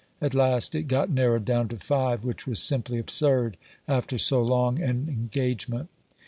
At last it got narrowed down to five, which was simply absurd, after so long an engagement.